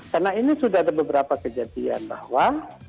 karena ini sudah ada beberapa kejadian bahwa